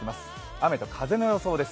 雨と風の予想です。